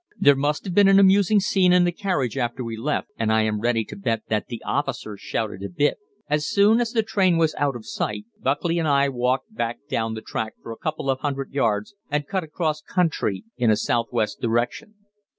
There must have been an amusing scene in the carriage after we left, and I am ready to bet that the officer shouted a bit. As soon as the train was ought of sight, Buckley and I walked back down the track for a couple of hundred yards and cut across country in a southwest direction.